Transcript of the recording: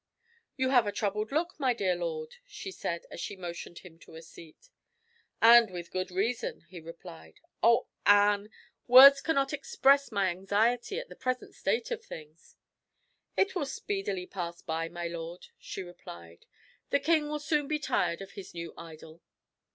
"You have a troubled look, my dear lord," she said, as she motioned him to a seat. "And with good reason," he replied. "Oh, Anne! words cannot express my anxiety at the present state of things." "It will speedily pass by, my lord," she replied; "the king will soon be tired of his new idol."